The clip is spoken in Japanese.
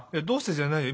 じゃないよ。